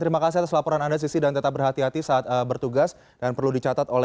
terima kasih atas laporan anda sisi dan tetap berhati hati saat bertugas dan perlu dicatat oleh